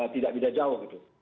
tidak jauh gitu